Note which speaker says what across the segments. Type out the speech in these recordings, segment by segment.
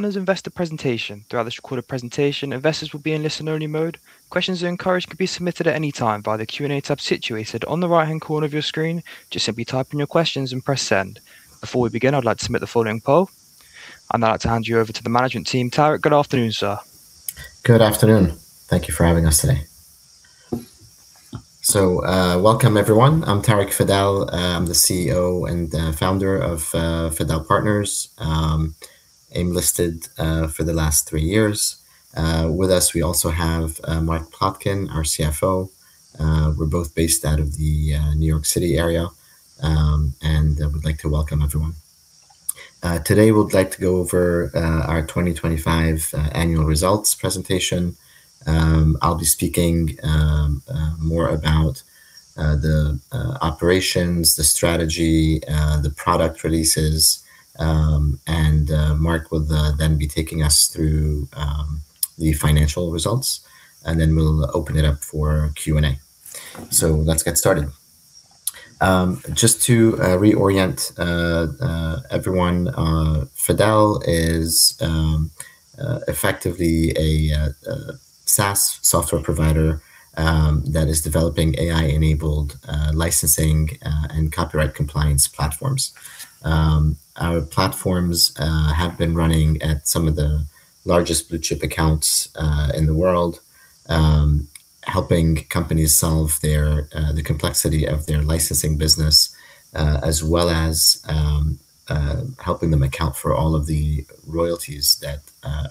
Speaker 1: Investor presentation. Throughout this recorded presentation, investors will be in listen only mode. Questions are encouraged, could be submitted at any time via the Q&A tab situated on the right-hand corner of your screen. Just simply type in your questions and press Send. Before we begin, I'd like to submit the following poll, and I'd like to hand you over to the management team. Tarek, good afternoon, sir.
Speaker 2: Good afternoon. Thank you for having us today. Welcome everyone. I'm Tarek Fadel. I'm the CEO and founder of Fadel Partners, AIM listed for the last three years. With us, we also have Mark Plotkin, our CFO. We're both based out of the New York City area, and I would like to welcome everyone. Today, we would like to go over our 2025 annual results presentation. I'll be speaking more about the operations, the strategy, the product releases. Mark will then be taking us through the financial results, and then we'll open it up for Q&A. Let's get started. Just to reorient everyone, Fadel is effectively a SaaS software provider that is developing AI-enabled licensing and copyright compliance platforms. Our platforms have been running at some of the largest blue-chip accounts in the world, helping companies solve the complexity of their licensing business, as well as helping them account for all of the royalties that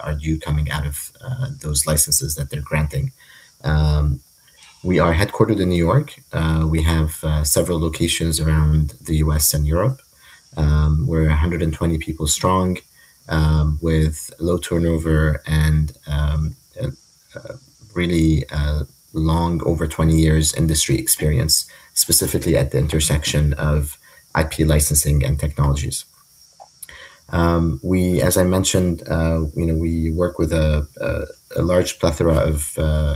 Speaker 2: are due coming out of those licenses that they're granting. We are headquartered in New York. We have several locations around the U.S. and Europe. We're 120 people strong, with low turnover and really long, over 20 years industry experience, specifically at the intersection of IP licensing and technologies. We, as I mentioned, you know, we work with a large plethora of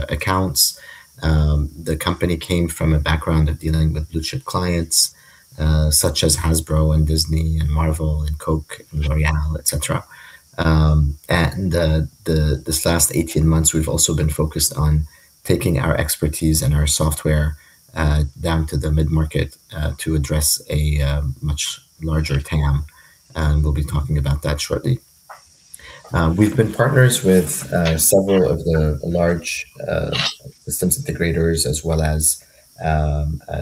Speaker 2: accounts. The company came from a background of dealing with blue-chip clients, such as Hasbro and Disney and Marvel and Coke and L'Oréal, et cetera. This last 18 months, we've also been focused on taking our expertise and our software down to the mid-market to address a much larger TAM, and we'll be talking about that shortly. We've been partners with several of the large systems integrators as well as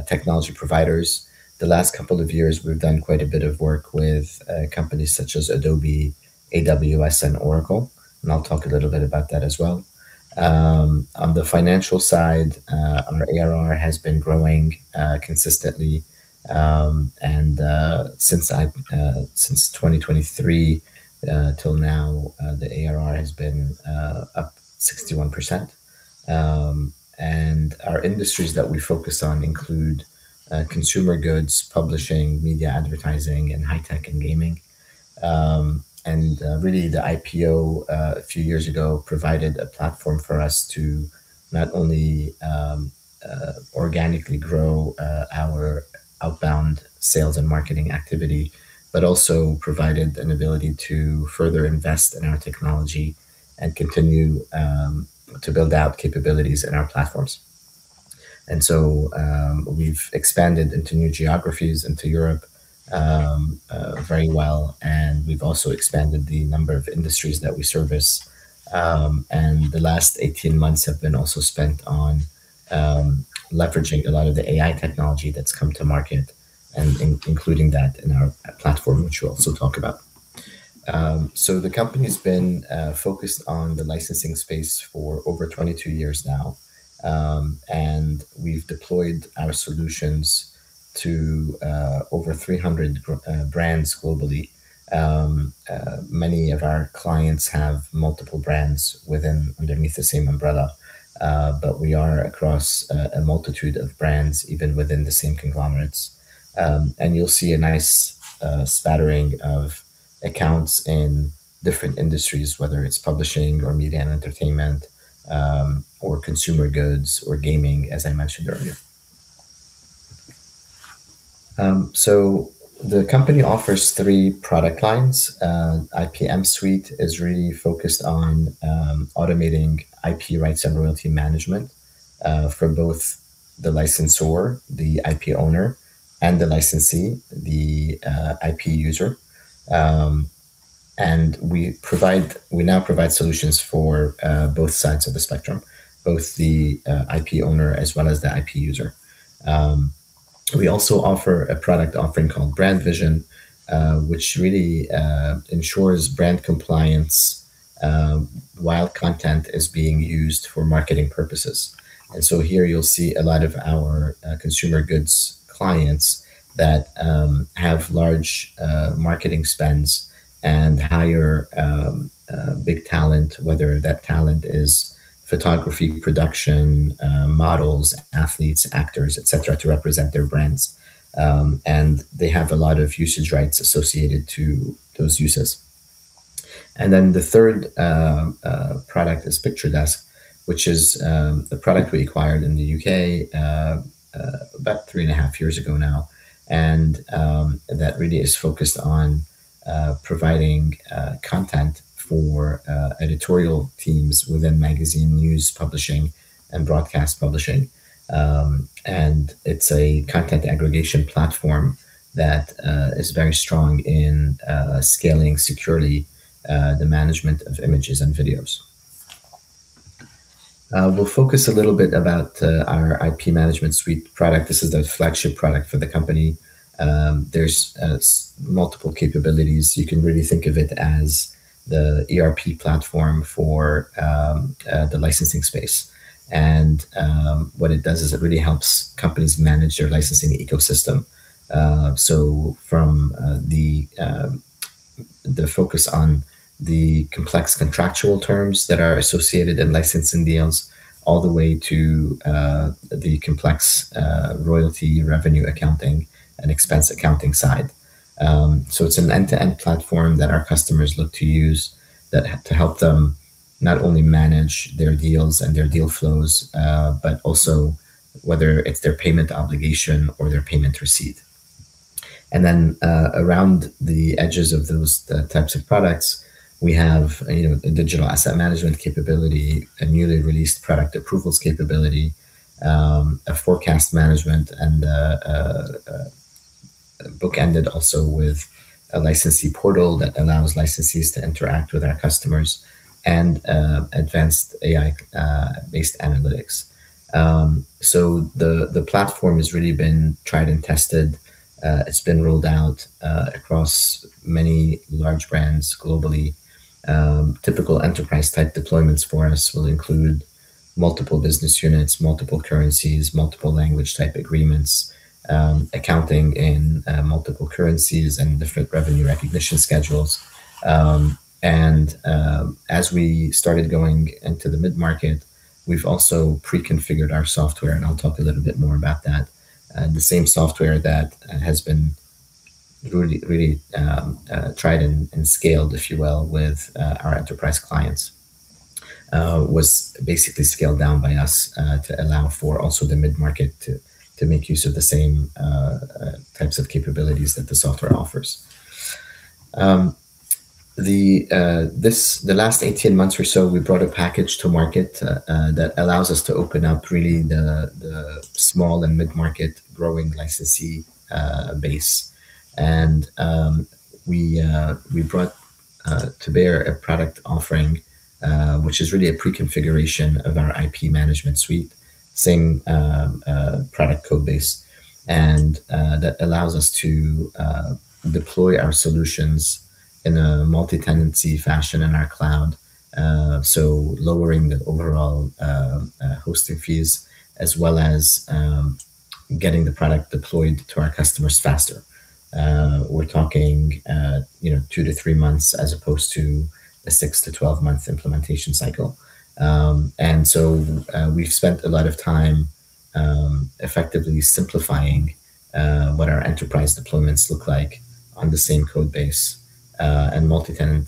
Speaker 2: technology providers. The last couple of years, we've done quite a bit of work with companies such as Adobe, AWS, and Oracle, and I'll talk a little bit about that as well. On the financial side, our ARR has been growing consistently, since 2023 till now, the ARR has been up 61%. Our industries that we focus on include consumer goods, publishing, media advertising, and high tech and gaming. Really the IPO a few years ago provided a platform for us to not only organically grow our outbound sales and marketing activity but also provided an ability to further invest in our technology and continue to build out capabilities in our platforms. We've expanded into new geographies, into Europe very well, and we've also expanded the number of industries that we service. The last 18 months have been also spent on leveraging a lot of the AI technology that's come to market and including that in our platform, which we'll also talk about. The company's been focused on the licensing space for over 22 years now. We've deployed our solutions to over 300 brands globally. Many of our clients have multiple brands within, underneath the same umbrella. We are across a multitude of brands, even within the same conglomerates. You'll see a nice spattering of accounts in different industries, whether it's publishing or media and entertainment, or consumer goods or gaming, as I mentioned earlier. The company offers three product lines. IPM Suite is really focused on automating IP rights and royalty management for both the licensor, the IP owner, and the licensee, the IP user. We now provide solutions for both sides of the spectrum, both the IP owner as well as the IP user. We also offer a product offering called Brand Vision, which really ensures brand compliance while content is being used for marketing purposes. Here you'll see a lot of our consumer goods clients that have large marketing spends and hire big talent, whether that talent is photography, production, models, athletes, actors, et cetera, to represent their brands. They have a lot of usage rights associated to those uses. The third product is PictureDesk, which is a product we acquired in the U.K. about 3.5 Years ago now, and that really is focused on providing content for editorial teams within magazine news publishing and broadcast publishing. It's a content aggregation platform that is very strong in scaling securely the management of images and videos. We'll focus a little bit about our IPM Suite product. This is the flagship product for the company. There's multiple capabilities. You can really think of it as the ERP platform for the licensing space. What it does is it really helps companies manage their licensing ecosystem. From the focus on the complex contractual terms that are associated in licensing deals all the way to the complex royalty revenue accounting and expense accounting side. It's an end-to-end platform that our customers look to use to help them not only manage their deals and their deal flows, but also whether it's their payment obligation or their payment receipt. Around the edges of those types of products, we have, you know, a digital asset management capability, a newly released product approvals capability, a forecast management, and bookended also with a licensee portal that allows licensees to interact with our customers and advanced AI based analytics. The platform has really been tried and tested. It's been rolled out across many large brands globally. Typical enterprise type deployments for us will include multiple business units, multiple currencies, multiple language type agreements, accounting in multiple currencies and different revenue recognition schedules. As we started going into the mid-market, we've also pre-configured our software, and I'll talk a little bit more about that. The same software that has been really, really tried and scaled, if you will, with our enterprise clients, was basically scaled down by us to allow for also the mid-market to make use of the same types of capabilities that the software offers. The last 18 months or so, we brought a package to market that allows us to open up really the small and mid-market growing licensee base. We brought to bear a product offering, which is really a pre-configuration of our IP management suite, same product code base. That allows us to deploy our solutions in a multi-tenancy fashion in our cloud, so lowering the overall hosting fees as well as getting the product deployed to our customers faster. We're talking, you know, 2-3 months as opposed to a 6-12-month implementation cycle. So we've spent a lot of time effectively simplifying what our enterprise deployments look like on the same code base and multi-tenant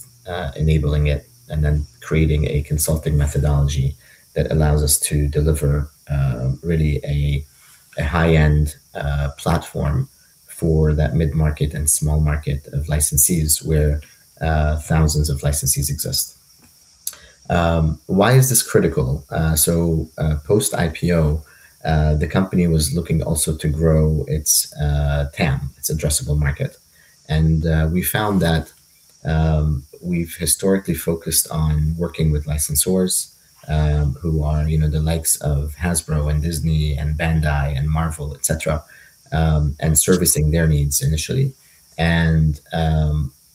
Speaker 2: enabling it and then creating a consulting methodology that allows us to deliver really a high-end platform for that mid-market and small market of licensees where thousands of licensees exist. Why is this critical? So, post-IPO, the company was looking also to grow its TAM, its addressable market. We found that, we've historically focused on working with licensors, who are, you know, the likes of Hasbro and Disney and Bandai and Marvel, et cetera, and servicing their needs initially.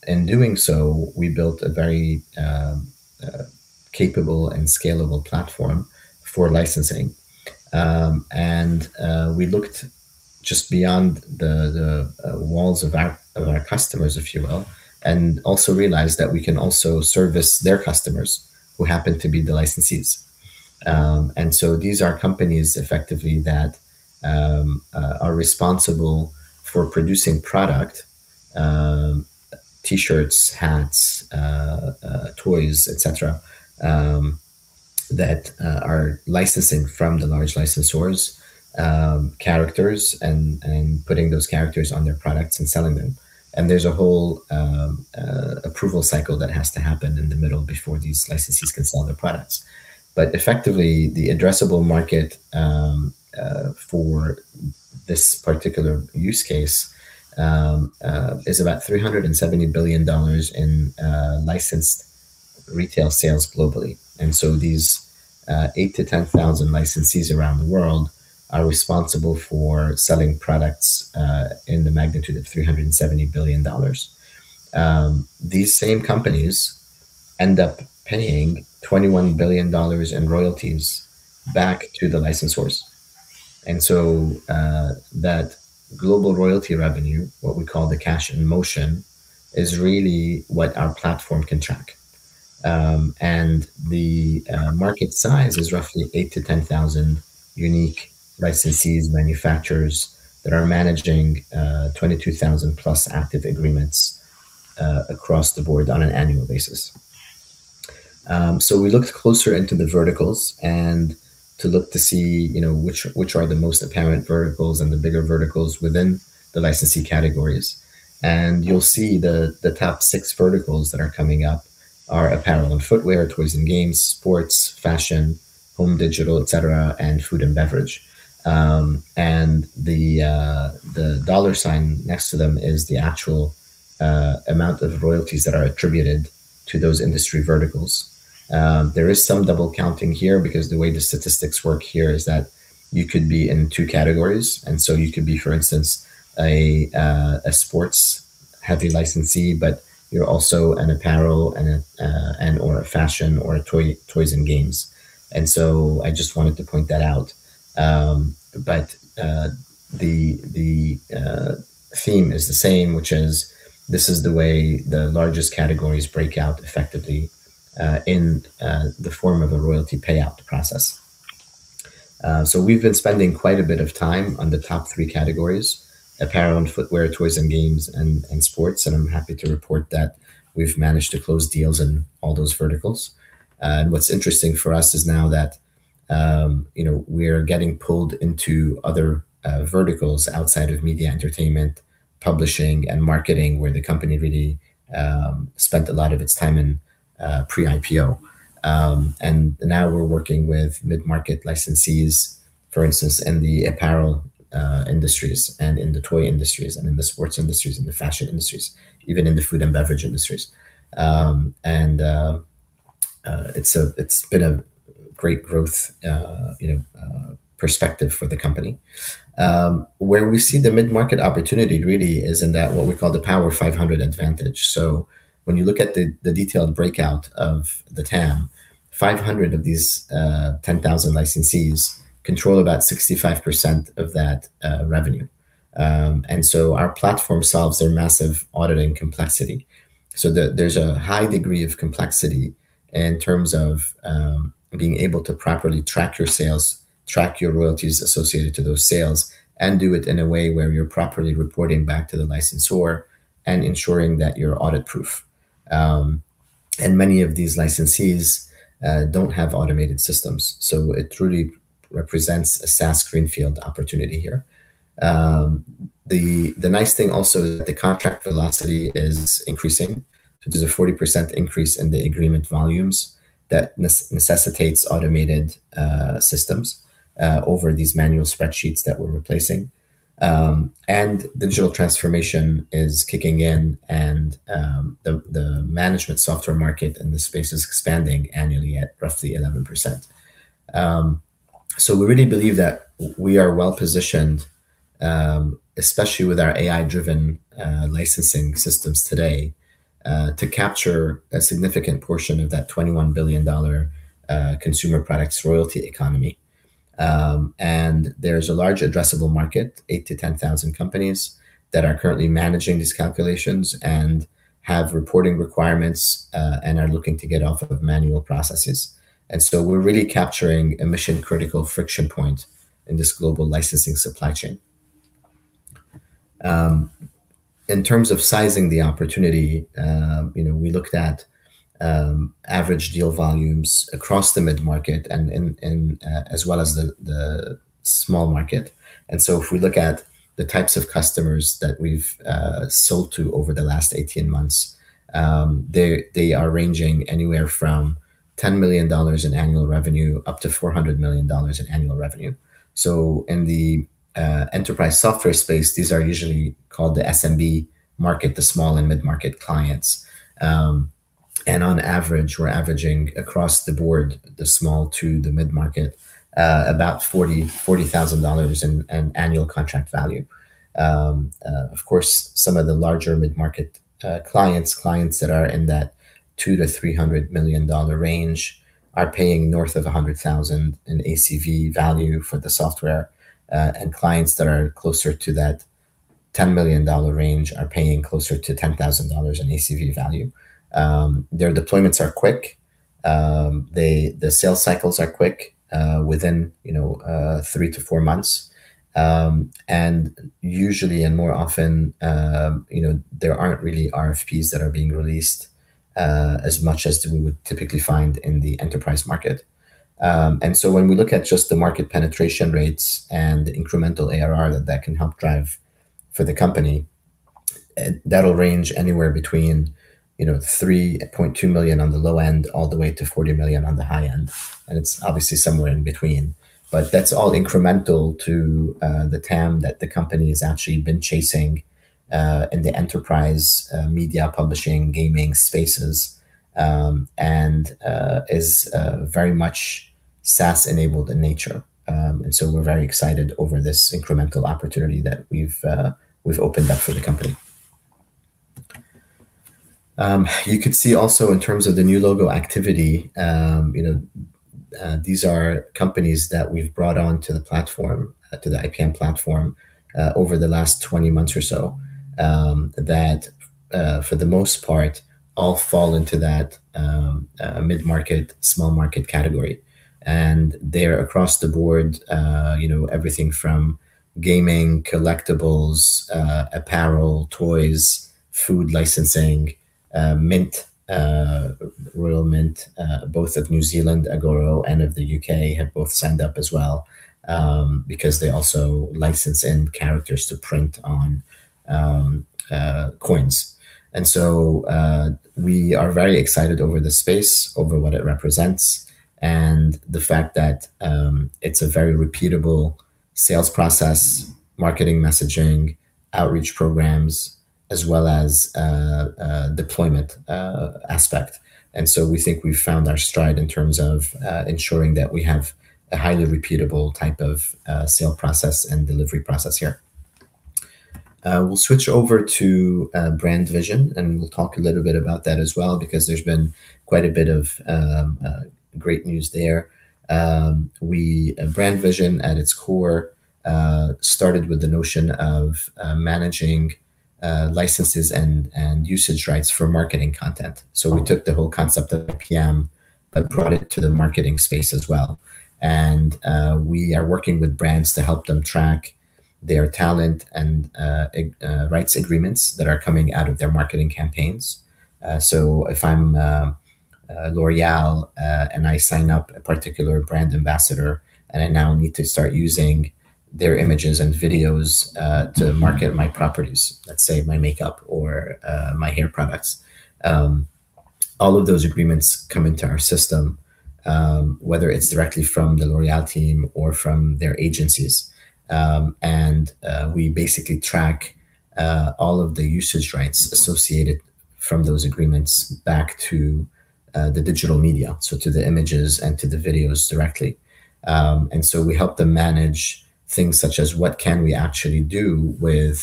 Speaker 2: In doing so, we built a very capable and scalable platform for licensing. We looked just beyond the walls of our customers, if you will, and also realized that we can also service their customers who happen to be the licensees. These are companies effectively that are responsible for producing product, t-shirts, hats, toys, et cetera, that are licensing from the large licensors, characters and putting those characters on their products and selling them. There's a whole approval cycle that has to happen in the middle before these licensees can sell their products. Effectively, the addressable market for this particular use case is about $370 billion in licensed retail sales globally. These 8,000-10,000 licensees around the world are responsible for selling products in the magnitude of $370 billion. These same companies end up paying $21 billion in royalties back to the licensors. That global royalty revenue, what we call the cash in motion, is really what our platform can track. The market size is roughly 8,000-10,000 unique licensees, manufacturers that are managing 22,000+ active agreements across the board on an annual basis. We looked closer into the verticals and to look to see which are the most apparent verticals and the bigger verticals within the licensee categories. You'll see the top six verticals that are coming up are apparel and footwear, toys and games, sports, fashion, home digital, et cetera, and food and beverage. The dollar sign next to them is the actual amount of royalties that are attributed to those industry verticals. There is some double counting here because the way the statistics work here is that you could be in two categories, and so you could be, for instance, a sports heavy licensee, but you're also an apparel and/or a fashion or a toys and games. I just wanted to point that out. The theme is the same, which is this is the way the largest categories break out effectively in the form of a royalty payout process. We've been spending quite a bit of time on the top three categories, apparel and footwear, toys and games, and sports. I'm happy to report that we've managed to close deals in all those verticals. What's interesting for us is now that, you know, we're getting pulled into other verticals outside of media entertainment, publishing and marketing, where the company really spent a lot of its time in pre-IPO. Now we're working with mid-market licensees, for instance, in the apparel industries and in the toy industries and in the sports industries and the fashion industries, even in the food and beverage industries. It's been a great growth, you know, perspective for the company. Where we see the mid-market opportunity really is in that what we call the Power 500 advantage. When you look at the detailed breakout of the TAM, 500 of these 10,000 licensees control about 65% of that revenue. Our platform solves their massive auditing complexity. There's a high degree of complexity in terms of being able to properly track your sales, track your royalties associated to those sales, and do it in a way where you're properly reporting back to the licensor and ensuring that you're audit proof. Many of these licensees don't have automated systems, so it truly represents a SaaS greenfield opportunity here. The nice thing also is that the contract velocity is increasing. There's a 40% increase in the agreement volumes that necessitates automated systems over these manual spreadsheets that we're replacing. Digital transformation is kicking in and the management software market and the space is expanding annually at roughly 11%. We really believe that we are well positioned, especially with our AI-driven licensing systems today, to capture a significant portion of that $21 billion consumer products royalty economy. There's a large addressable market, 8,000-10,000 companies that are currently managing these calculations and have reporting requirements, and are looking to get off of manual processes. We're really capturing a mission critical friction point in this global licensing supply chain. In terms of sizing the opportunity, you know, we looked at average deal volumes across the mid-market and as well as the small market. If we look at the types of customers that we've sold to over the last 18 months, they are ranging anywhere from $10 million in annual revenue up to $400 million in annual revenue. In the enterprise software space, these are usually called the SMB market, the small and mid-market clients. On average, we're averaging across the board the small to the mid-market about $40,000 in annual contract value. Of course, some of the larger mid-market clients that are in that $200 million-$300 million range are paying north of $100,000 in ACV value for the software. Clients that are closer to that $10 million range are paying closer to $10,000 in ACV value. Their deployments are quick. The sales cycles are quick, within 3-4 months. Usually and more often, there aren't really RFPs that are being released as much as we would typically find in the enterprise market. When we look at just the market penetration rates and the incremental ARR that can help drive for the company, that'll range anywhere between $3.2 million on the low end all the way to $40 million on the high end. It's obviously somewhere in between. That's all incremental to the TAM that the company has actually been chasing in the enterprise, media publishing, gaming spaces, and is very much SaaS enabled in nature. We're very excited over this incremental opportunity that we've opened up for the company. You could see also in terms of the new logo activity, you know, these are companies that we've brought on to the platform, to the i-ken platform, over the last 20 months or so, that for the most part all fall into that mid-market, small market category. They're across the board, you know, everything from gaming, collectibles, apparel, toys, food licensing, Mint, Royal Mint, both of New Zealand, Agoro, and of the U.K. have both signed up as well, because they also license in characters to print on coins. We are very excited over the space, over what it represents, and the fact that it's a very repeatable sales process, marketing messaging, outreach programs, as well as deployment aspect. We think we've found our stride in terms of ensuring that we have a highly repeatable type of sale process and delivery process here. We'll switch over to Brand Vision, and we'll talk a little bit about that as well because there's been quite a bit of great news there. Brand Vision at its core started with the notion of managing licenses and usage rights for marketing content. We took the whole concept of IPM but brought it to the marketing space as well. We are working with brands to help them track their talent and rights agreements that are coming out of their marketing campaigns. If I'm L'Oréal, and I sign up a particular brand ambassador, and I now need to start using their images and videos, to market my properties, let's say my makeup or my hair products, all of those agreements come into our system, whether it's directly from the L'Oréal team or from their agencies. We basically track all of the usage rights associated from those agreements back to the digital media, so to the images and to the videos directly. We help them manage things such as what can we actually do with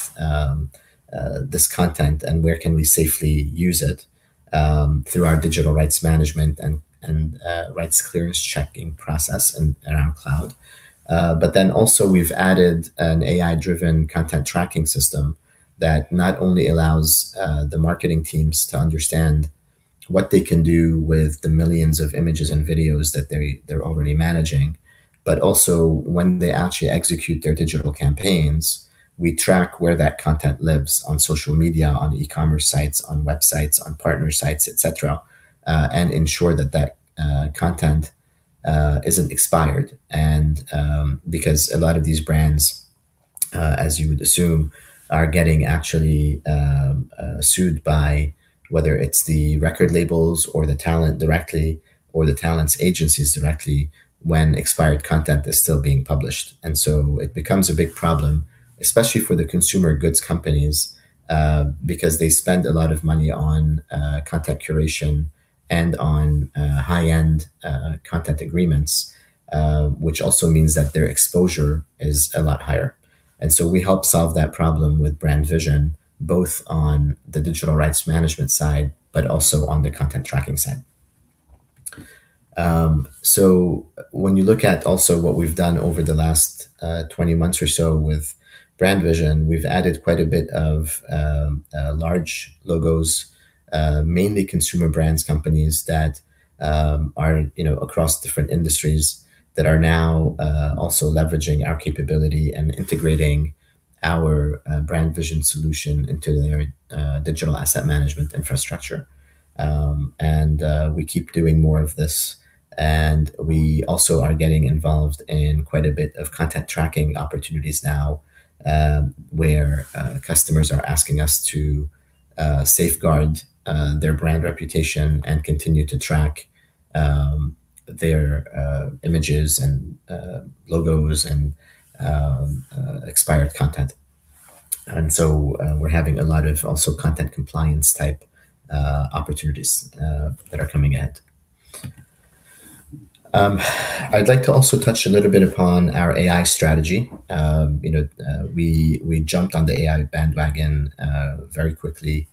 Speaker 2: this content, and where can we safely use it through our digital rights management and rights clearance checking process in our cloud. We've added an AI-driven content tracking system that not only allows the marketing teams to understand what they can do with the millions of images and videos that they're already managing, but also when they actually execute their digital campaigns, we track where that content lives on social media, on e-commerce sites, on websites, on partner sites, et cetera, and ensure that that content isn't expired. Because a lot of these brands, as you would assume, are getting actually sued by whether it's the record labels or the talent directly or the talent's agencies directly when expired content is still being published. It becomes a big problem, especially for the consumer goods companies, because they spend a lot of money on content curation and on high-end content agreements, which also means that their exposure is a lot higher. We help solve that problem with Brand Vision, both on the digital rights management side, but also on the content tracking side. So when you look at also what we've done over the last 20 months or so with Brand Vision, we've added quite a bit of large logos, mainly consumer brands companies that are, you know, across different industries that are now also leveraging our capability and integrating our Brand Vision solution into their digital asset management infrastructure. We keep doing more of this. We also are getting involved in quite a bit of content tracking opportunities now, where customers are asking us to safeguard their brand reputation and continue to track their images and logos and expired content. We're having a lot of also content compliance type opportunities that are coming in. I'd like to also touch a little bit upon our AI strategy. You know, we jumped on the AI bandwagon very quickly.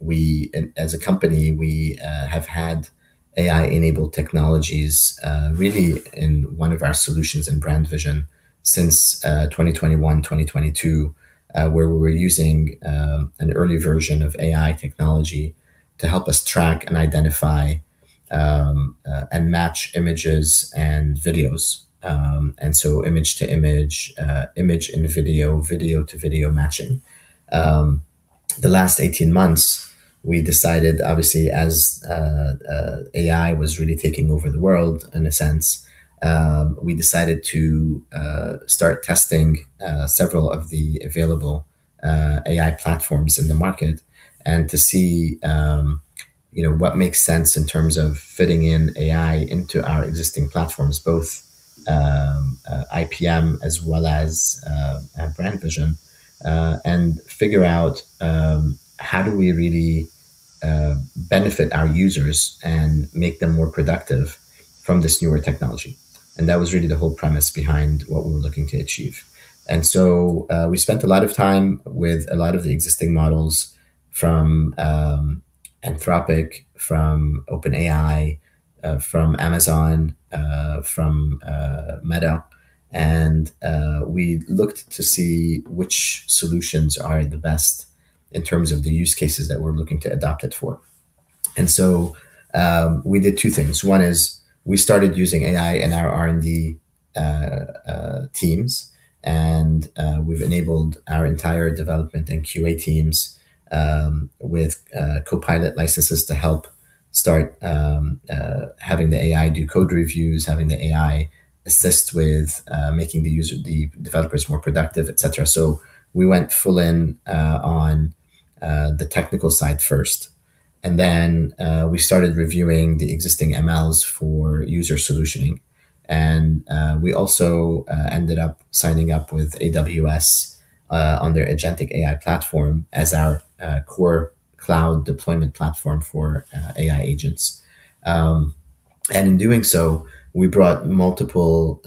Speaker 2: We, as a company, we have had AI-enabled technologies really in one of our solutions in Brand Vision since 2021, 2022, where we were using an early version of AI technology to help us track and identify and match images and videos. Image to image in video to video matching. The last 18 months, we decided obviously as AI was really taking over the world in a sense, we decided to start testing several of the available AI platforms in the market and to see, you know, what makes sense in terms of fitting in AI into our existing platforms, both IPM as well as Brand Vision, and figure out how do we really benefit our users and make them more productive from this newer technology. That was really the whole premise behind what we were looking to achieve. We spent a lot of time with a lot of the existing models from Anthropic, from OpenAI, from Amazon, from Meta, and we looked to see which solutions are the best in terms of the use cases that we're looking to adopt it for. We did two things. One is we started using AI in our R&D teams, and we've enabled our entire development and QA teams with Copilot licenses to help start having the AI do code reviews, having the AI assist with making the developers more productive, et cetera. We went full in on the technical side first, and then we started reviewing the existing MLs for user solutioning. We also ended up signing up with AWS on their Agentic AI platform as our core cloud deployment platform for AI agents. In doing so, we brought multiple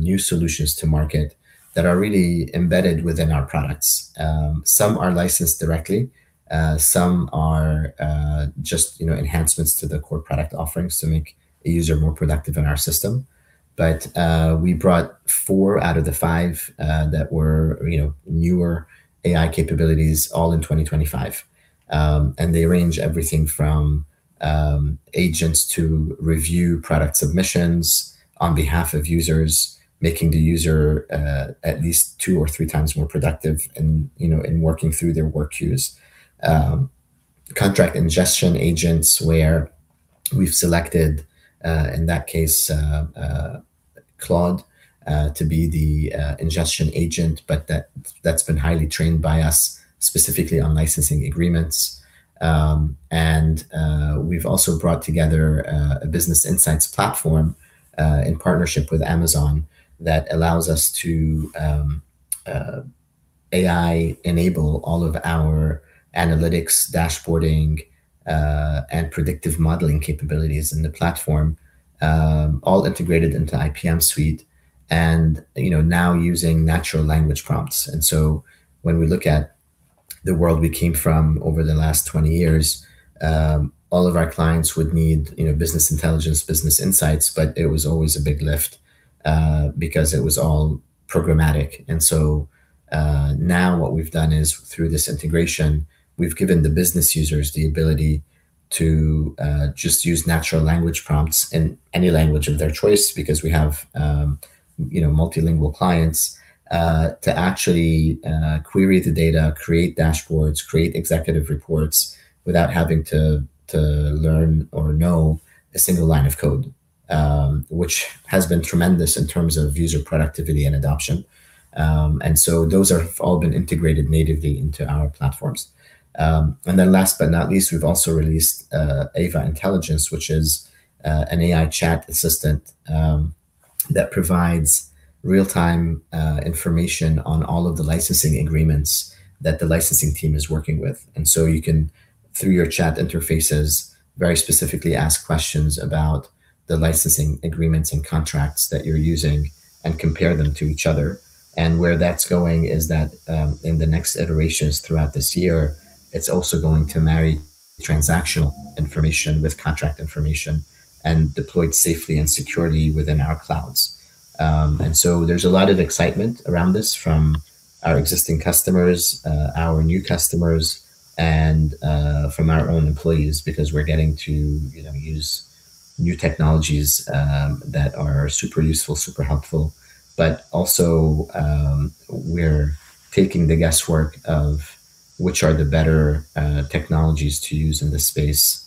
Speaker 2: new solutions to market that are really embedded within our products. Some are licensed directly, some are just, you know, enhancements to the core product offerings to make a user more productive in our system. We brought four out of the five that were, you know, newer AI capabilities all in 2025. They range everything from agents to review product submissions on behalf of users, making the user at least two or three times more productive in, you know, in working through their work queues. Contract ingestion agents where we've selected, in that case, Claude, to be the ingestion agent, but that's been highly trained by us specifically on licensing agreements. We've also brought together a business insights platform in partnership with Amazon that allows us to AI-enable all of our analytics, dashboarding, and predictive modeling capabilities in the platform, all integrated into IPM Suite and, you know, now using natural language prompts. When we look at the world we came from over the last 20 years, all of our clients would need, you know, business intelligence, business insights, but it was always a big lift because it was all programmatic. Now what we've done is through this integration, we've given the business users the ability to just use natural language prompts in any language of their choice because we have, you know, multilingual clients, to actually query the data, create dashboards, create executive reports without having to learn or know a single line of code, which has been tremendous in terms of user productivity and adoption. Those are all been integrated natively into our platforms. Last but not least, we've also released AIVA intelligence, which is an AI chat assistant that provides real-time information on all of the licensing agreements that the licensing team is working with. You can, through your chat interfaces, very specifically ask questions about the licensing agreements and contracts that you're using and compare them to each other. Where that's going is that, in the next iterations throughout this year, it's also going to marry transactional information with contract information and deployed safely and securely within our clouds. There's a lot of excitement around this from our existing customers, our new customers, and from our own employees because we're getting to, you know, use new technologies that are super useful, super helpful. Also, we're taking the guesswork of which are the better technologies to use in this space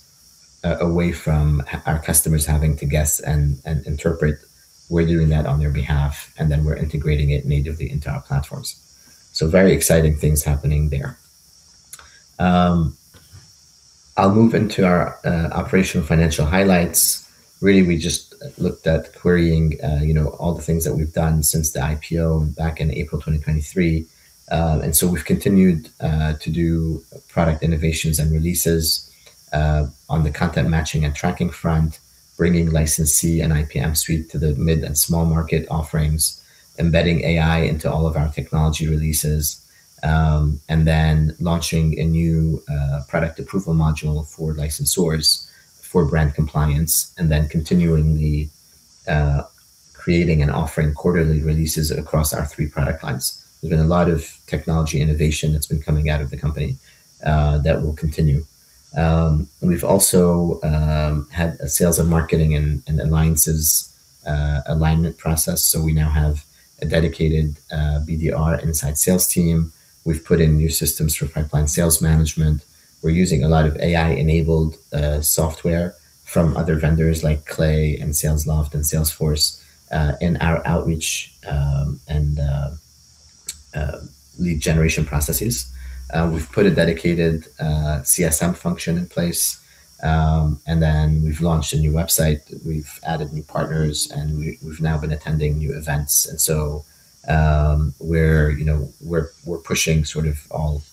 Speaker 2: away from our customers having to guess and interpret. We're doing that on their behalf, we're integrating it natively into our platforms. Very exciting things happening there. I'll move into our operational financial highlights. Really, we just looked at querying, you know, all the things that we've done since the IPO back in April 2023. We've continued to do product innovations and releases on the content matching and tracking front, bringing Licensee and IPM Suite to the mid and small market offerings, embedding AI into all of our technology releases, launching a new product approval module for licensors for brand compliance, and then continuing the creating and offering quarterly releases across our three product lines. There's been a lot of technology innovation that's been coming out of the company that will continue. We've also had a sales and marketing and alliances alignment process. We now have a dedicated BDR inside sales team. We've put in new systems for pipeline sales management. We're using a lot of AI-enabled software from other vendors like Clay and Salesloft and Salesforce in our outreach and lead generation processes. We've put a dedicated CSM function in place and then we've launched a new website. We've added new partners, and we've now been attending new events. We're, you know, we're pushing sort of all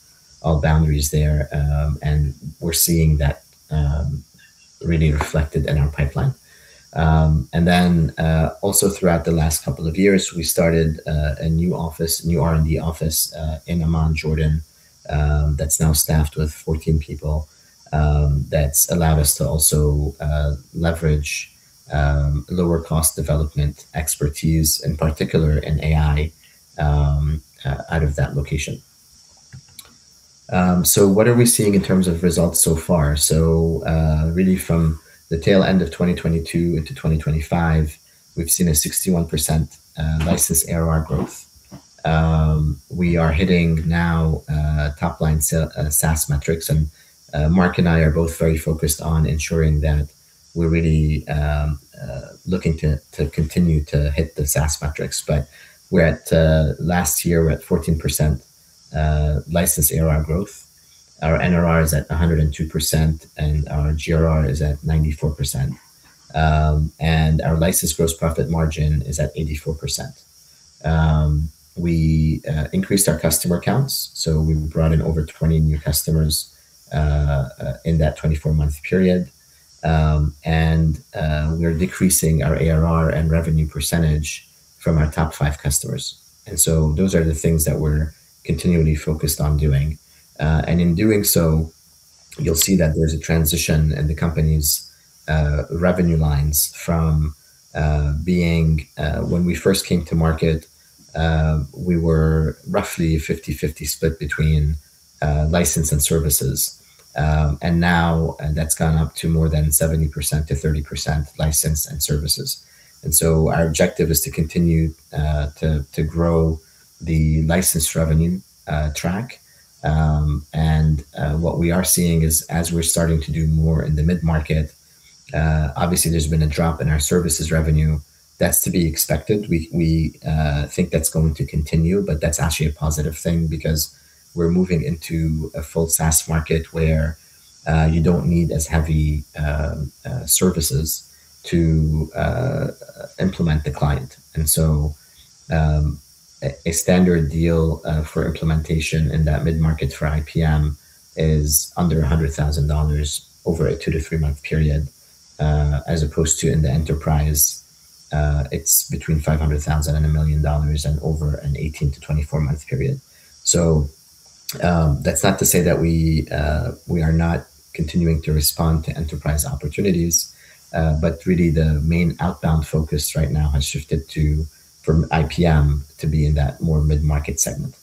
Speaker 2: boundaries there, and we're seeing that really reflected in our pipeline. And then, also throughout the last couple of years, we started a new office, new R&D office, in Amman, Jordan, that's now staffed with 14 people, that's allowed us to also leverage lower cost development expertise, in particular in AI, out of that location. What are we seeing in terms of results so far? Really from the tail end of 2022 into 2025, we've seen a 61% license ARR growth. We are hitting now top-line SaaS metrics, and Mark and I are both very focused on ensuring that we're really looking to continue to hit the SaaS metrics. We're at last year, we're at 14% license ARR growth. Our NRR is at 102%, and our GRR is at 94%. Our license gross profit margin is at 84%. We increased our customer counts, so we brought in over 20 new customers in that 24-month period. We're decreasing our ARR and revenue percentage from our top five customers. Those are the things that we're continually focused on doing. In doing so, you'll see that there's a transition in the company's revenue lines from being when we first came to market, we were roughly 50/50 split between license and services. Now that's gone up to more than 70%-30% license and services. Our objective is to continue to grow the license revenue track. What we are seeing is as we're starting to do more in the mid-market, obviously there's been a drop in our services revenue. That's to be expected. We think that's going to continue, but that's actually a positive thing because we're moving into a full SaaS market where you don't need as heavy services to implement the client. A standard deal for implementation in that mid-market for IPM is under $100,000 over a 2-3 month period, as opposed to in the enterprise, it's between $500,000 and $1 million and over an 18-24 month period. That's not to say that we are not continuing to respond to enterprise opportunities, but really the main outbound focus right now has shifted to from IPM to be in that more mid-market segment.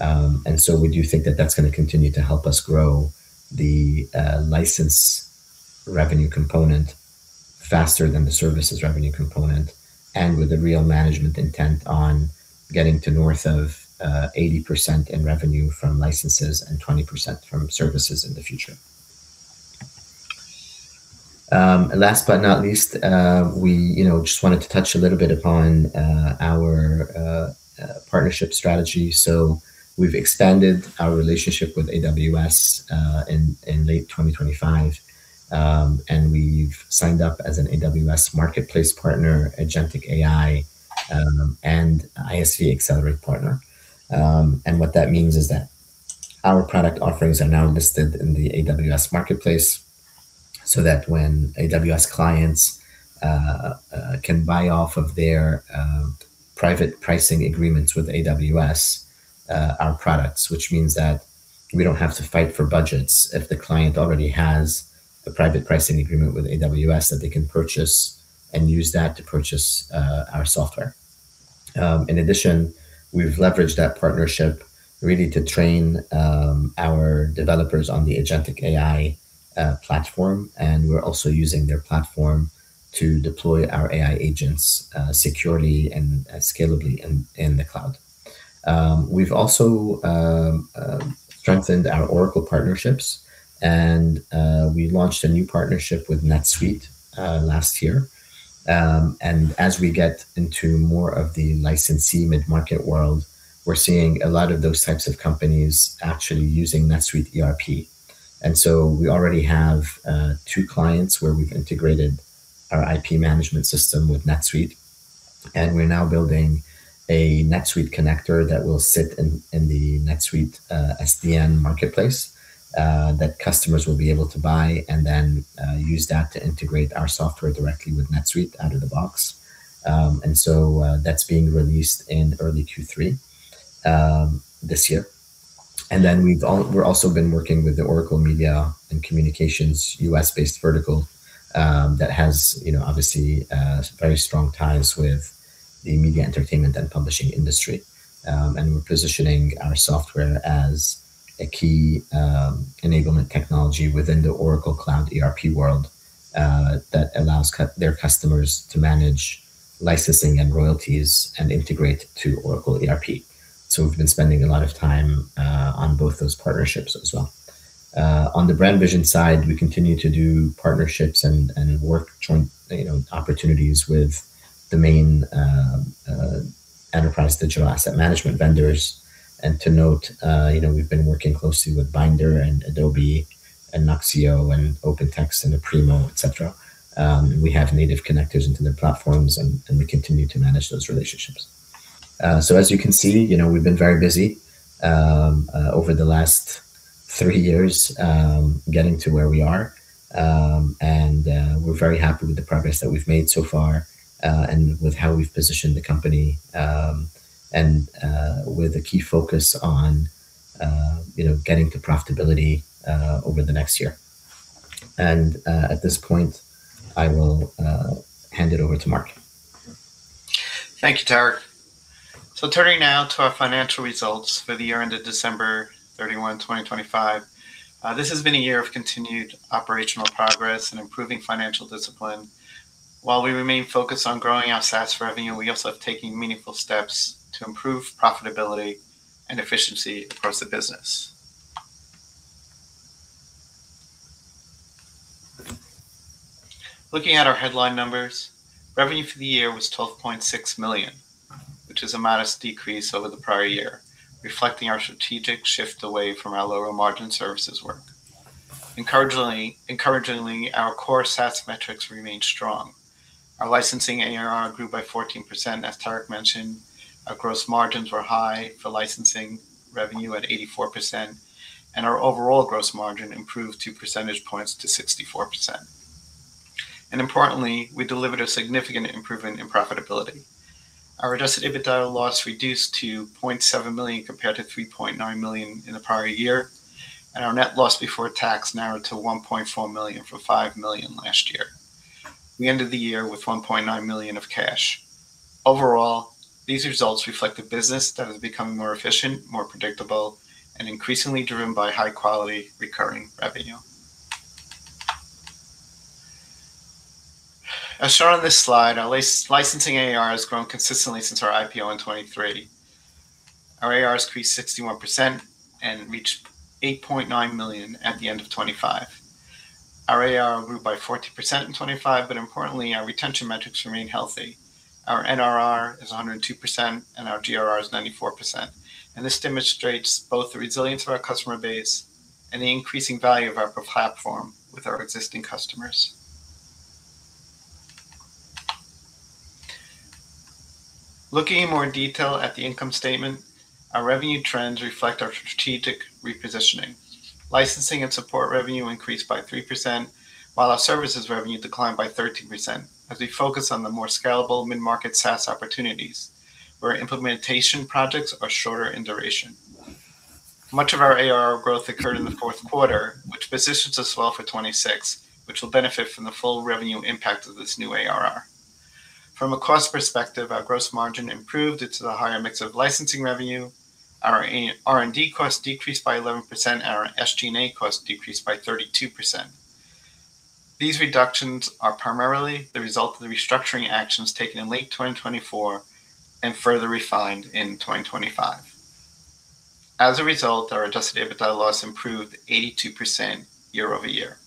Speaker 2: We do think that that's gonna continue to help us grow the license revenue component faster than the services revenue component, and with a real management intent on getting to north of 80% in revenue from licenses and 20% from services in the future. Last but not least, we, you know, just wanted to touch a little bit upon our partnership strategy. We've expanded our relationship with AWS in late 2025. We've signed up as an AWS Marketplace partner, Agentic AI, and ISV Accelerate partner. What that means is that our product offerings are now listed in the AWS Marketplace so that when AWS clients can buy off of their private pricing agreements with AWS, our products, which means that we don't have to fight for budgets if the client already has a private pricing agreement with AWS that they can purchase and use that to purchase our software. In addition, we've leveraged that partnership really to train our developers on the Agentic AI platform, and we're also using their platform to deploy our AI agents securely and scalably in the cloud. We've also strengthened our Oracle partnerships, and we launched a new partnership with NetSuite last year. As we get into more of the licensee mid-market world, we're seeing a lot of those types of companies actually using NetSuite ERP. We already have two clients where we've integrated our IP management system with NetSuite, and we're now building a NetSuite connector that will sit in the NetSuite SDN marketplace that customers will be able to buy and then use that to integrate our software directly with NetSuite out of the box. That's being released in early Q3 this year. We're also been working with the Oracle Media and Communications U.S.-based vertical that has, you know, obviously, very strong ties with the media entertainment and publishing industry. We're positioning our software as a key enablement technology within the Oracle Cloud ERP world that allows their customers to manage licensing and royalties and integrate to Oracle ERP. We've been spending a lot of time on both those partnerships as well. On the Brand Vision side, we continue to do partnerships and work joint, you know, opportunities with the main enterprise digital asset management vendors. To note, you know, we've been working closely with Bynder and Adobe and Nuxeo and OpenText and Aprimo, et cetera. We have native connectors into their platforms and we continue to manage those relationships. As you can see, you know, we've been very busy over the last three years getting to where we are. We're very happy with the progress that we've made so far, and with how we've positioned the company, and, with a key focus on, you know, getting to profitability, over the next year. At this point, I will hand it over to Mark.
Speaker 3: Thank you, Tarek. Turning now to our financial results for the year ended December 31, 2025. This has been a year of continued operational progress and improving financial discipline. While we remain focused on growing our SaaS revenue, we also have taken meaningful steps to improve profitability and efficiency across the business. Looking at our headline numbers, revenue for the year was $12.6 million, which is a modest decrease over the prior year, reflecting our strategic shift away from our lower margin services work. Encouragingly, our core SaaS metrics remain strong. Our licensing ARR grew by 14%, as Tarek mentioned. Our gross margins were high for licensing revenue at 84%, and our overall gross margin improved two percentage points to 64%. Importantly, we delivered a significant improvement in profitability. Our adjusted EBITDA loss reduced to $0.7 million compared to $3.9 million in the prior year, and our net loss before tax narrowed to $1.4 million from $5 million last year. We ended the year with $1.9 million of cash. Overall, these results reflect a business that is becoming more efficient, more predictable, and increasingly driven by high-quality recurring revenue. As shown on this slide, our licensing ARR has grown consistently since our IPO in 2023. Our ARR has increased 61% and reached $8.9 million at the end of 2025. Our ARR grew by 14% in 2025, but importantly, our retention metrics remain healthy. Our NRR is 102% and our GRR is 94%, and this demonstrates both the resilience of our customer base and the increasing value of our platform with our existing customers. Looking in more detail at the income statement, our revenue trends reflect our strategic repositioning. Licensing and support revenue increased by 3%, while our services revenue declined by 13% as we focus on the more scalable mid-market SaaS opportunities, where implementation projects are shorter in duration. Much of our ARR growth occurred in the fourth quarter, which positions us well for 2026, which will benefit from the full revenue impact of this new ARR. From a cost perspective, our gross margin improved due to the higher mix of licensing revenue. Our R&D costs decreased by 11% and our SG&A costs decreased by 32%. These reductions are primarily the result of the restructuring actions taken in late 2024 and further refined in 2025. As a result, our adjusted EBITDA loss improved 82% year-over-year.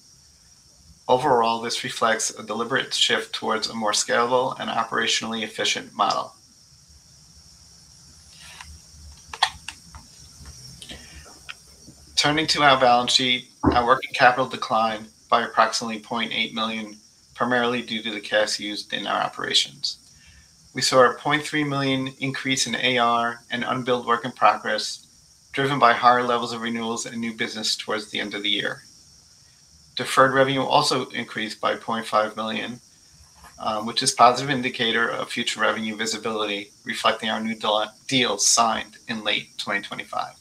Speaker 3: Overall, this reflects a deliberate shift towards a more scalable and operationally efficient model. Turning to our balance sheet, our working capital declined by approximately $0.8 million, primarily due to the cash used in our operations. We saw a $0.3 million increase in AR and unbilled work in progress, driven by higher levels of renewals and new business towards the end of the year. Deferred revenue also increased by $0.5 million, which is positive indicator of future revenue visibility, reflecting our new deals signed in late 2025.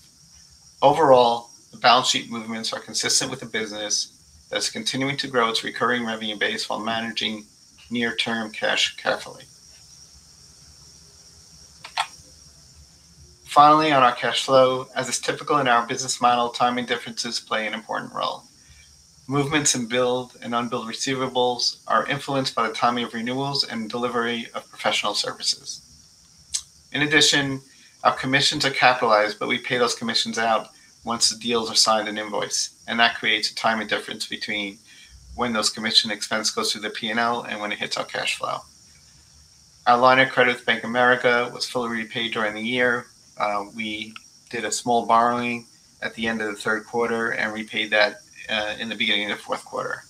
Speaker 3: Overall, the balance sheet movements are consistent with the business that's continuing to grow its recurring revenue base while managing near-term cash carefully. Finally, on our cash flow, as is typical in our business model, timing differences play an important role. Movements in billed and unbilled receivables are influenced by the timing of renewals and delivery of professional services. In addition, our commissions are capitalized, but we pay those commissions out once the deals are signed and invoiced, and that creates a timing difference between when those commission expense goes through the P&L and when it hits our cash flow. Our line of credit with Bank of America was fully repaid during the year. We did a small borrowing at the end of the third quarter and repaid that in the beginning of the fourth quarter.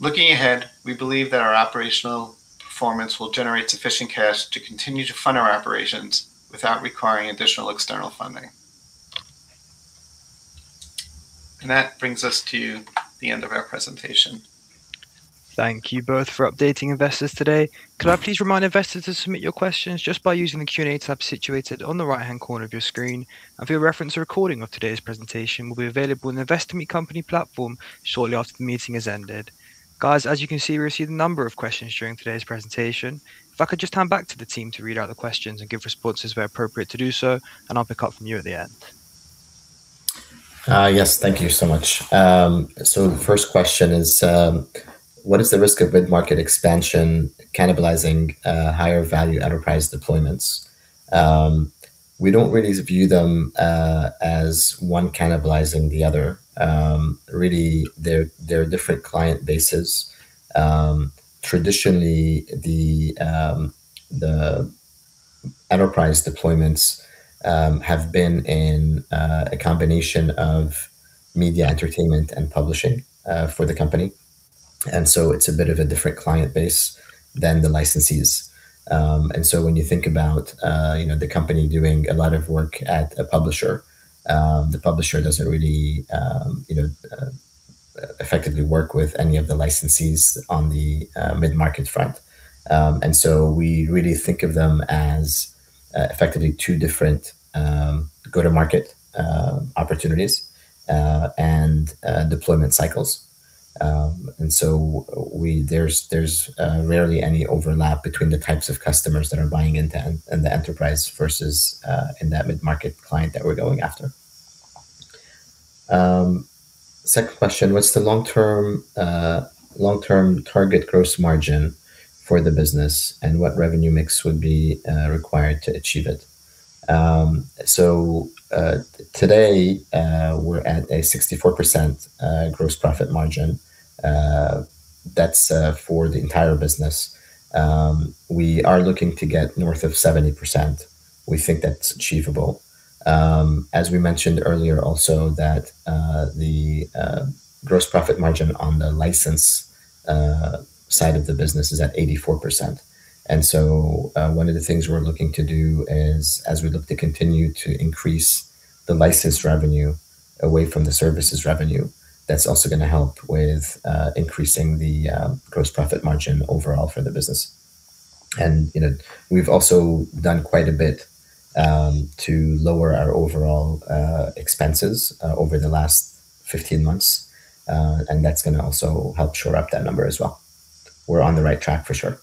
Speaker 3: Looking ahead, we believe that our operational performance will generate sufficient cash to continue to fund our operations without requiring additional external funding. That brings us to the end of our presentation.
Speaker 1: Thank you both for updating investors today. Could I please remind investors to submit your questions just by using the Q&A tab situated on the right-hand corner of your screen? For your reference, a recording of today's presentation will be available in the Investor Meet Company platform shortly after the meeting has ended. Guys, as you can see, we received a number of questions during today's presentation. If I could just hand back to the team to read out the questions and give responses where appropriate to do so, and I'll pick up from you at the end.
Speaker 2: Yes. Thank you so much. The first question is: What is the risk of mid-market expansion cannibalizing higher value enterprise deployments? We don't really view them as one cannibalizing the other. Really they're different client bases. Traditionally the enterprise deployments have been in a combination of media entertainment and publishing for the company. It's a bit of a different client base than the licensees. When you think about, you know, the company doing a lot of work at a publisher, the publisher doesn't really, you know, effectively work with any of the licensees on the mid-market front. We really think of them as effectively two different go to market opportunities and deployment cycles. We, there's rarely any overlap between the types of customers that are buying into and the enterprise versus in that mid-market client that we're going after. Second question, what's the long term target gross margin for the business and what revenue mix would be required to achieve it? Today, we're at a 64% gross profit margin. That's for the entire business. We are looking to get north of 70%. We think that's achievable. As we mentioned earlier also that the gross profit margin on the license side of the business is at 84%. One of the things we're looking to do is as we look to continue to increase the license revenue away from the services revenue, that's also gonna help with increasing the gross profit margin overall for the business. You know, we've also done quite a bit to lower our overall expenses over the last 15 months, and that's gonna also help shore up that number as well. We're on the right track for sure.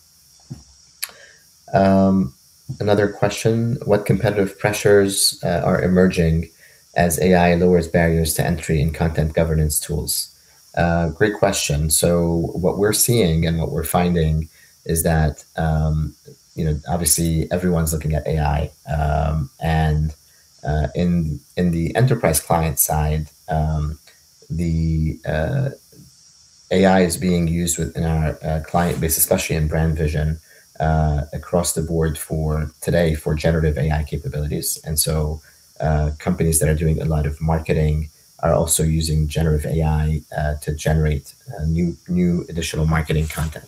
Speaker 2: Another question, what competitive pressures are emerging as AI lowers barriers to entry in content governance tools? Great question. What we're seeing and what we're finding is that, you know, obviously everyone's looking at AI, and in the enterprise client side, the AI is being used within our client base, especially in Brand Vision, across the board for today for generative AI capabilities. Companies that are doing a lot of marketing are also using generative AI to generate new additional marketing content.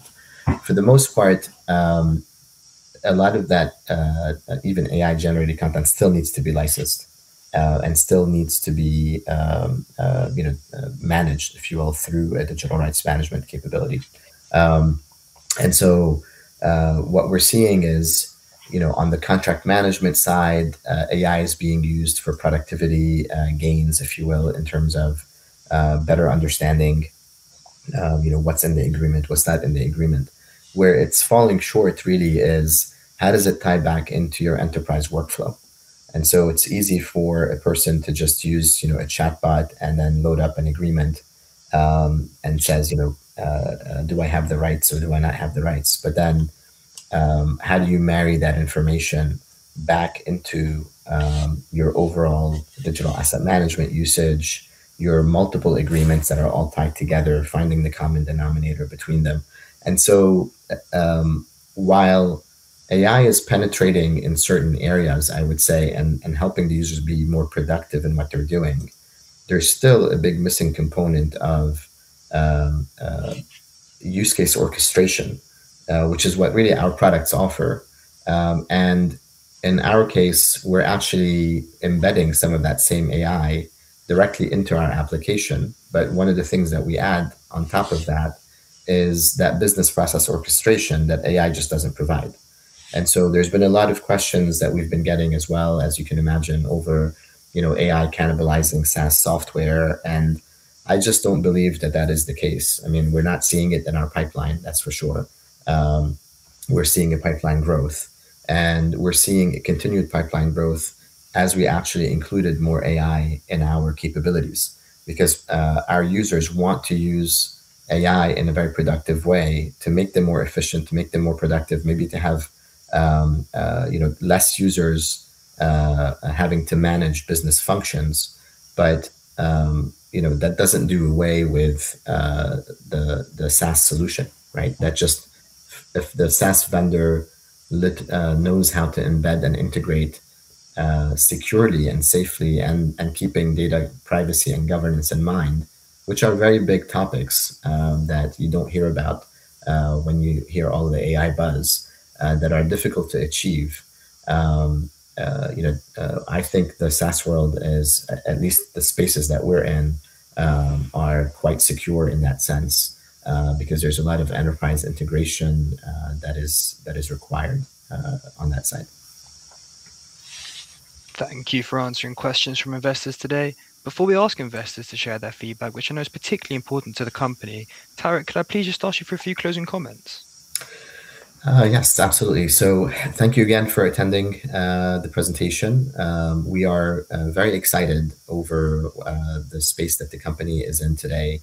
Speaker 2: For the most part, a lot of that, even AI generated content still needs to be licensed and still needs to be, you know, managed, if you will, through a digital rights management capability. What we're seeing is, you know, on the contract management side, AI is being used for productivity gains, if you will, in terms of better understanding, you know, what's in the agreement, what's not in the agreement. Where it's falling short really is how does it tie back into your enterprise workflow? It's easy for a person to just use, you know, a chatbot and then load up an agreement and says, you know, do I have the rights or do I not have the rights? How do you marry that information back into your overall digital asset management usage, your multiple agreements that are all tied together, finding the common denominator between them. While AI is penetrating in certain areas, I would say, and helping the users be more productive in what they're doing, there's still a big missing component of use case orchestration, which is what really our products offer. In our case, we're actually embedding some of that same AI directly into our application. One of the things that we add on top of that is that business process orchestration that AI just doesn't provide. There's been a lot of questions that we've been getting as well as you can imagine over, you know, AI cannibalizing SaaS software, and I just don't believe that that is the case. I mean, we're not seeing it in our pipeline, that's for sure. We're seeing a pipeline growth, and we're seeing a continued pipeline growth as we actually included more AI in our capabilities because our users want to use AI in a very productive way to make them more efficient, to make them more productive, maybe to have, you know, less users having to manage business functions. You know, that doesn't do away with the SaaS solution, right? That just if the SaaS vendor knows how to embed and integrate security and safely and keeping data privacy and governance in mind, which are very big topics that you don't hear about when you hear all of the AI buzz that are difficult to achieve. You know, I think the SaaS world is, at least the spaces that we're in, are quite secure in that sense, because there's a lot of enterprise integration that is required on that side.
Speaker 1: Thank you for answering questions from investors today. Before we ask investors to share their feedback, which I know is particularly important to the company, Tarek, could I please just ask you for a few closing comments?
Speaker 2: Yes, absolutely. Thank you again for attending the presentation. We are very excited over the space that the company is in today.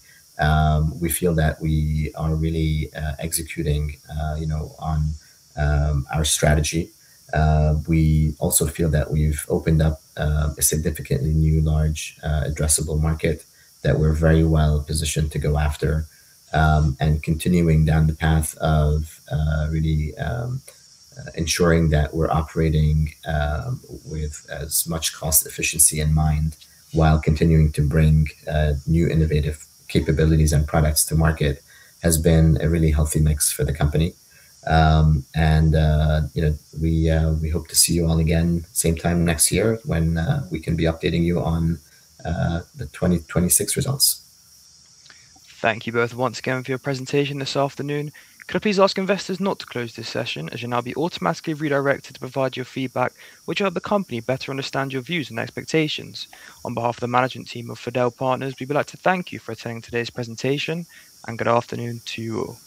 Speaker 2: We feel that we are really executing, you know, on our strategy. We also feel that we've opened up a significantly new large addressable market that we're very well positioned to go after. Continuing down the path of really ensuring that we're operating with as much cost efficiency in mind while continuing to bring new innovative capabilities and products to market has been a really healthy mix for the company. You know, we hope to see you all again same time next year when we can be updating you on the 2026 results.
Speaker 1: Thank you both once again for your presentation this afternoon. Could I please ask investors not to close this session, as you'll now be automatically redirected to provide your feedback which will help the company better understand your views and expectations. On behalf of the management team of Fadel Partners, we would like to thank you for attending today's presentation, and good afternoon to you all.